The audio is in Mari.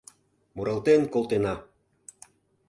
Муралтен колтена...